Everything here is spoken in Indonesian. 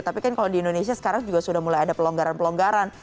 tapi kan kalau di indonesia sekarang juga sudah mulai ada pelonggaran pelonggaran